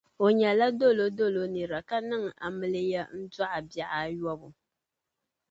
O nyɛla dolo dolo nira ka niŋ amiliya n-dɔɣi bihi ayobu.